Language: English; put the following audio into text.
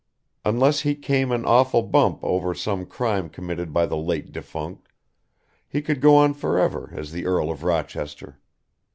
Unless he came an awful bump over some crime committed by the late defunct, he could go on forever as the Earl of Rochester.